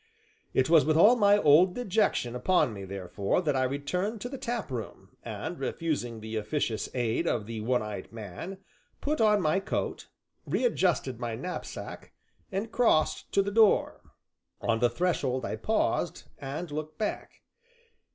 It was with all my old dejection upon me, therefore, that I returned to the tap room, and, refusing the officious aid of the One Eyed Man, put on my coat, readjusted my knapsack and crossed to the door. On the threshold I paused, and looked back.